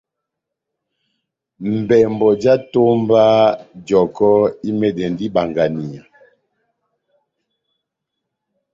Mbɛmbɔ já etómba jɔkɔ́ imɛndɛndi ibanganiya.